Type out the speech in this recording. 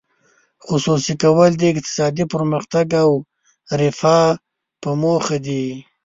خصوصي کول د اقتصادي پرمختګ او رفاه په موخه دي.